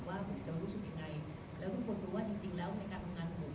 ว่าผมจะรู้สึกยังไงแล้วทุกคนรู้ว่าจริงแล้วในการทำงานของบุ๋ม